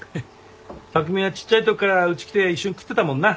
匠はちっちゃいときからうち来て一緒に食ってたもんな。